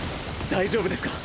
大丈夫ですか？